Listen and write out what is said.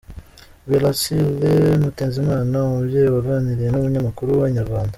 Belancille Mutezimana, umubyeyi waganiriye n’umunyamakuru wa Inyarwanda.